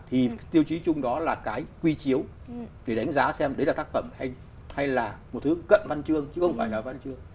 thì tiêu chí chung đó là cái quy chiếu phải đánh giá xem đấy là tác phẩm hay là một thứ cận văn chương chứ không phải là văn chương